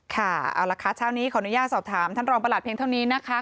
ค่ะเอาละค่ะเช้านี้ขออนุญาตสอบถามท่านรองประหลัดเพียงเท่านี้นะคะ